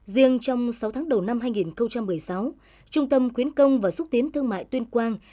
riêng trong sáu tháng đầu năm hai nghìn một mươi sáu trung tâm quyến công và xúc tiến thương mại tuyên quang